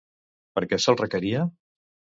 Per què se'l requeria?